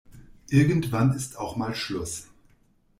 Irgendwann ist auch mal Schluss.